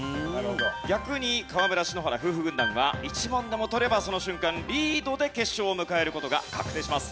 逆に河村＆篠原夫婦軍団は１問でも取ればその瞬間リードで決勝を迎える事が確定します。